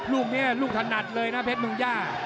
ลูบนี้ลูกถนัดเลยนะเพชรบุญญาเนี่ย